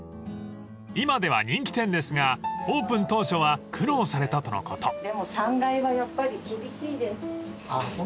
［今では人気店ですがオープン当初は苦労されたとのこと］